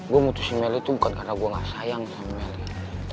gua mutusin meli tuh bukan karena gua gak sayang sama meli